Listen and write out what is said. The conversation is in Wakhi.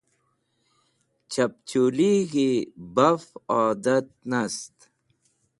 Chapchulighi baf adat nast.